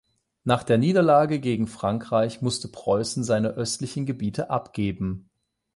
Nach der Niederlage gegen Frankreich musste Preußen seine östlichen Gebiete abgeben.